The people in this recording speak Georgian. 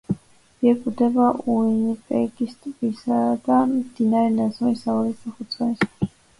მიეკუთვნება უინიპეგის ტბისა და მდინარე ნელსონის აუზსს და ჰუდსონის ყურეს.